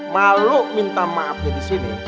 malu minta maafnya disini